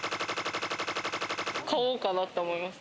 買おうかなって思いました。